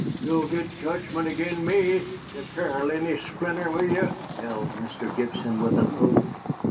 "Ye'll git jedgment ag'in me, ye Caroliny splinter, will ye?" yelled Mr. Gibson, with an oath.